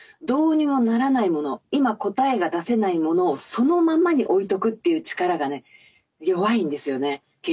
どうにもならないもの今答えが出せないものをそのままに置いとくという力がね弱いんですよね。